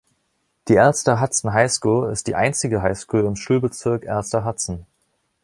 Die Alcester-Hudson High School ist die einzige High School im Schulbezirk Alcester-Hudson.